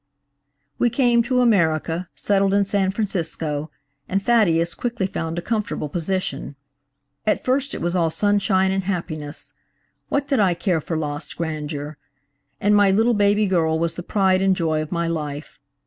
"We came to America, settled in San Francisco, and Thaddeus quickly found a comfortable position. At first it was all sunshine and happiness–what did I care for lost grandeur. And my little baby girl was the pride and joy of my life.